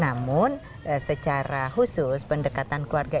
namun secara khusus pendekatan keluarga